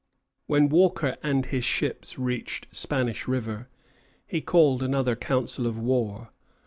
When Walker and his ships reached Spanish River, he called another council of war.